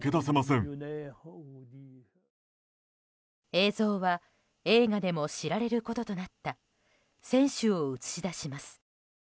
映像は映画でも知られることとなった船主を映し出します。